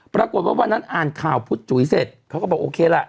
ปรากฏว่าวันนั้นอ่านข่าวพุทธจุ๋ยเสร็จเขาก็บอกโอเคล่ะ